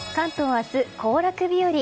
明日、行楽日和。